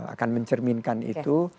akan mencerminkan itu